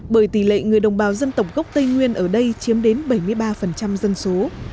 bởi tỷ lệ người đồng bào dân tộc gốc tây nguyên ở đây chiếm đến bảy mươi ba dân số